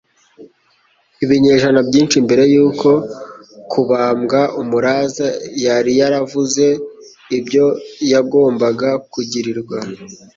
Ibinyejana byinshi mbere y'uko kubambwa, Umulaza yari yaravuze ibyo yagombaga kugirirwa.